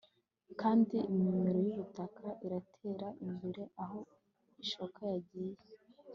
Kandi imimeroyubutaka iratera imbere aho ishoka yagiye